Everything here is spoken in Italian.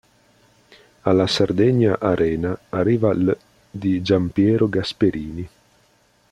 Alla Sardegna Arena arriva l' di Gian Piero Gasperini.